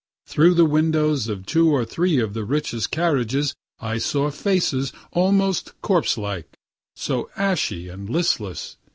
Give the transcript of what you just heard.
Through the windows of two or three of the richest carriages I saw faces almost corpse like, so ashy and listless.